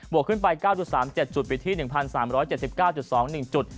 วกขึ้นไป๙๓๗จุดอยู่ที่๑๓๗๙๒๑จุด